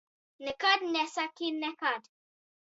Nekad nesaki nekad!